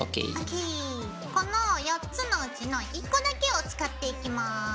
この４つのうちの１個だけを使っていきます。